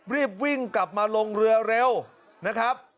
รีบวิ่งกลับมาลงเรือเร็วนะครับ